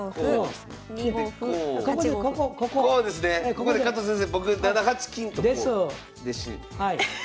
ここで加藤先生僕７八金と。です。